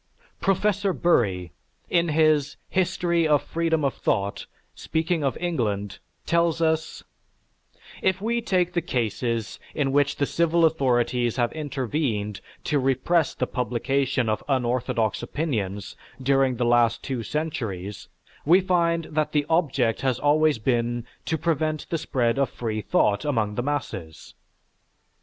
Professor Bury, in his "History of Freedom of Thought," speaking of England, tells us, "If we take the cases in which the civil authorities have intervened to repress the publication of unorthodox opinions during the last two centuries, we find that the object has always been to prevent the spread of free thought among the masses."